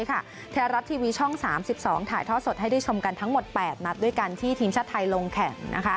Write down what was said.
ไทยรัฐทีวีช่อง๓๒ถ่ายทอดสดให้ได้ชมกันทั้งหมด๘นัดด้วยกันที่ทีมชาติไทยลงแข่ง